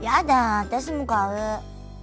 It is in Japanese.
私も買う。